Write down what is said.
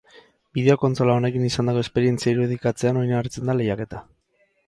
Bideo-kontsola honekin izandako esperientzia irudikatzean oinarritzen da lehiaketa.